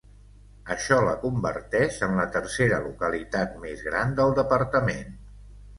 Això la converteix en la tercera localitat més gran del departament.